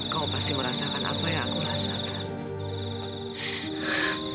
kau pasti merasakan apa yang aku rasakan